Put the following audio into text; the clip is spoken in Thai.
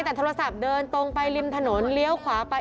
แต่โทรศัพท์เดินตรงไปริมถนนเลี้ยวขวาไป